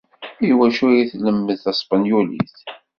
I wacu ay la tlemmded taspenyulit?